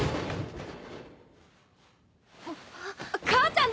母ちゃん！